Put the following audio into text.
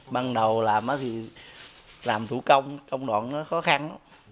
ban đầu làm thì làm thủ công công đoạn nó khó khăn